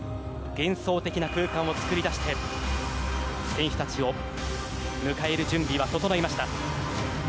幻想的な空間を作り出して選手たちを迎える準備は整いました。